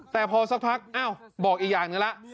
แต่พอสักพักอ้าวบอกอีกอย่างหนึ่งแล้ว